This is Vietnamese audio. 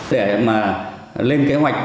để mà lên kế hoạch